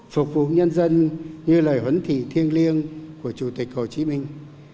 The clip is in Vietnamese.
phục vụ nhân dân như lời huấn thị thiêng liêng của chủ tịch hồ chí minh